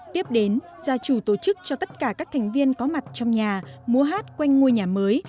tiếp đến gia chủ tổ chức cho tất cả các thành viên có mặt trong nhà múa hát quanh ngôi nhà mới